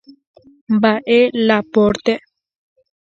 Mba’e la pórte.